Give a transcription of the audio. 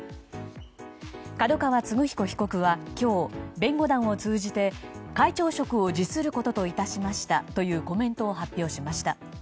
角川歴彦被告は今日弁護団を通じて会長職を辞することといたしましたというコメントを発表しました。